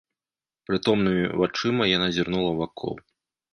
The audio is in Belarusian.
Прытомнымі вачыма яна зірнула вакол.